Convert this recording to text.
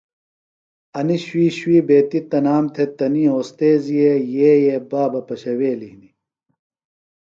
انیۡ شُوۡئی شُوۡئی بیتیۡ تنام تھےۡ تنیۡ اوستیذِئے یئیے بابہ پشَویلیۡ ہِنیۡ۔